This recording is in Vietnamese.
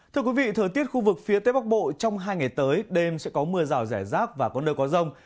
thưa quý vị thời tiết khu vực phía tây bắc bộ trong hai ngày tới đêm sẽ có mưa rào rẻ rác và có nơi có rông